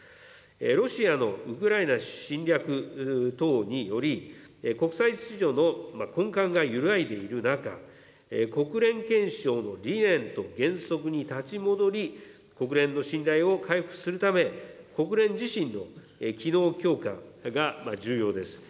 ロシアのウクライナ侵略等により、国際秩序の根幹が揺らいでいる中、国連憲章の理念と原則に立ち戻り、国連の信頼を回復するため、国連自身の機能強化が重要です。